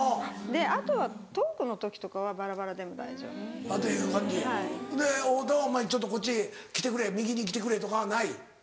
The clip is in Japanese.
であとはトークの時とかはバラバラでも大丈夫。っていう感じで太田は「ちょっとこっち来てくれ右に来てくれ」とかはない？